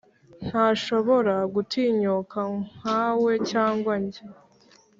ntashobora gutinyuka nkawe cyangwa njye